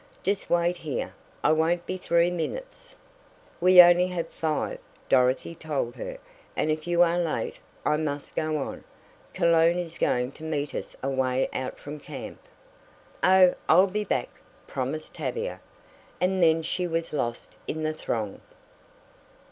"Just wait here. I won't be three minutes." "We only have five," Dorothy told her, "and if you are late I must go on. Cologne is going to meet us away out from camp." "Oh I'll be back," promised Tavia, and then she was lost in the throng.